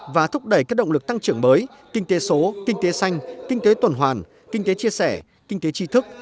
và thúc đẩy các động lực tăng trưởng mới kinh tế số kinh tế xanh kinh tế tuần hoàn kinh tế chia sẻ kinh tế tri thức